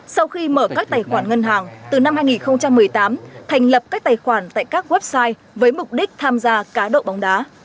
sau khi mở các tài khoản ngân hàng từ năm hai nghìn một mươi tám thành lập các tài khoản tại các website với mục đích tham gia cá độ bóng đá